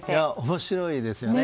面白いですよね。